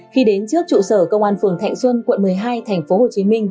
khi đến trước trụ sở công an phường thạnh xuân quận một mươi hai thành phố hồ chí minh